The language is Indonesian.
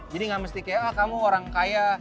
jadi gak mesti kayak ah kamu orang kaya